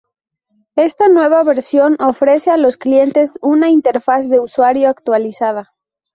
Esta nueva versión ofrece a los clientes una interfaz de usuario actualizada.